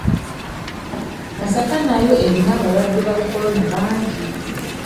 Masaka nayo erina abalwadde ba kolona bangi.